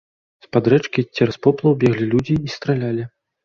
З-пад рэчкі, цераз поплаў, беглі людзі і стралялі.